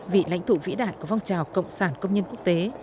vị lãnh thủ vĩ đại của vong trào cộng sản công nhân quốc tế